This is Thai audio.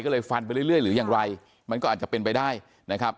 ก็เลยฟันไปเรื่อยหรือยังไรมันก็อาจจะเป็นไปได้นะครับ